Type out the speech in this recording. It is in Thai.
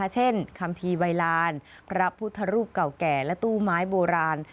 คัมภีร์วัยลานพระพุทธรูปเก่าแก่และตู้ไม้โบราณ